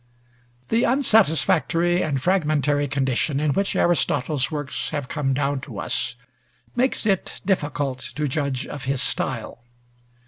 The unsatisfactory and fragmentary condition in which Aristotle's works have come down to us makes it difficult to judge of his style.